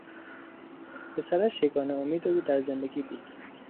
پسرش یگانه امید او در زندگی بود.